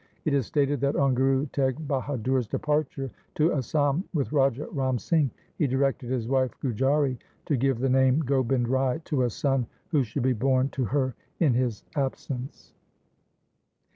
It is stated that on Guru Teg Bahadur's departure to Asam with Raja Ram Singh, he directed his wife Gujari to give the name Gobind Rai to a son who should be born to her in his absence.